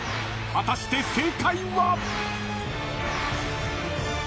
［果たして正解は？］